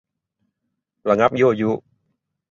ระงับยั่วยุ